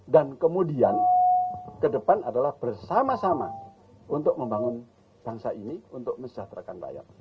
dan kemudian ke depan adalah bersama sama untuk membangun bangsa ini untuk menjahatkan rakyat